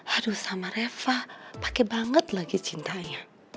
aduh sama reva pake banget lagi cintanya